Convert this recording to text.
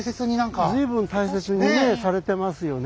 随分大切にねされてますよね。